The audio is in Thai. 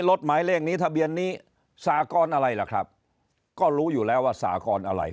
หมายเลขนี้ทะเบียนนี้สากรอะไรล่ะครับก็รู้อยู่แล้วว่าสากรอะไร